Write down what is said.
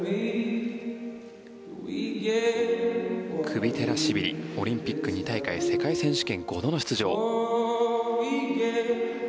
クビテラシビリオリンピック２大会世界選手権５度の出場。